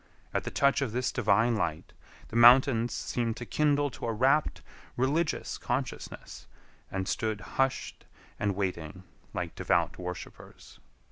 At the touch of this divine light, the mountains seemed to kindle to a rapt, religious consciousness, and stood hushed and waiting like devout worshipers.